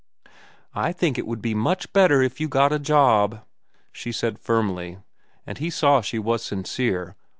"I think it would be much better if you got a job," she said firmly, and he saw she was sincere.